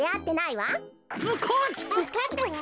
わかったわ。